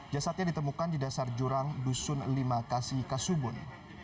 jasadnya ditemukan di dasar jurang dusun lima kasih kasubun